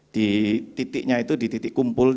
di titiknya itu di titik kumpul